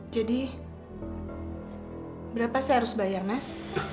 jadi berapa saya harus bayar mas